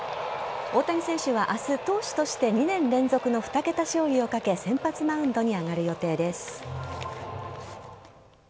大谷選手は明日投手として２年連続の２桁勝利をかけ先発マウンドに上がる予定です。